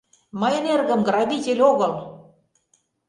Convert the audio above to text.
— Мыйын эргым грабитель огыл!..